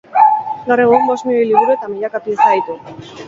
Gaur egun, bost milioi liburu eta milaka pieza ditu.